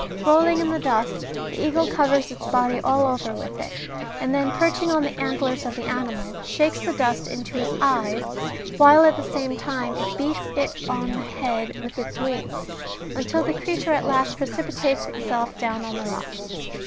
Rolling in the dust, the eagle covers its body all over with it, and then perching on the antlers of the animal, shakes the dust into its eyes, while at the same time it beats it on the head with its wings, until the creature at last precipitates itself down the rocks.